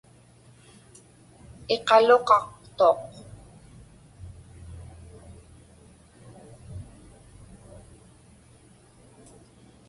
Iqaluqaqtuq.